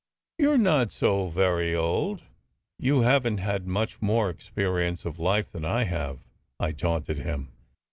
" You re not so very old. You haven t had much more experience of life than I have," I taunted him.